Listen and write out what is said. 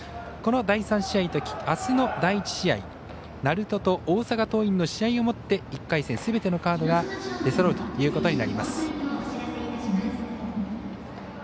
この第３試合とあすの第１打席鳴門と大阪桐蔭の試合をもって１回戦すべてのカードが出そろうということになります。